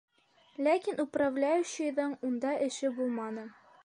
Ләкин управляющийҙың унда эше булманы.